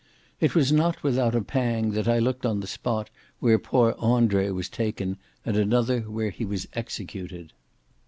It was not without a pang that I looked on the spot where poor Andre was taken, and another where he was executed.